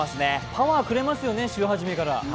パワーくれますよね、週初めから。